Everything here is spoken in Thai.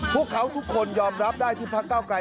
พวกเขาทุกคนยอมรับได้ที่พักเก้าไกร